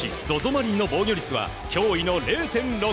マリンの防御率は驚異の０．６０。